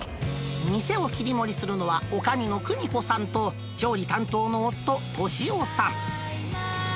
店を切り盛りするのは、おかみの久美子さんと、調理担当の夫、敏雄さん。